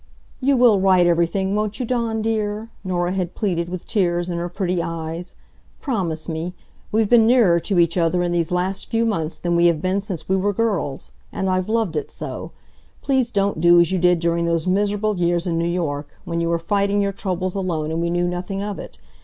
"You will write everything, won't you, Dawn dear?" Norah had pleaded, with tears in her pretty eyes. "Promise me. We've been nearer to each other in these last few months than we have been since we were girls. And I've loved it so. Please don't do as you did during those miserable years in New York, when you were fighting your troubles alone and we knew nothing of it.